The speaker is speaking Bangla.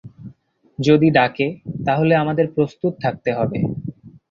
যদি ডাকে, তাহলে আমাদের প্রস্তুত থাকতে হবে।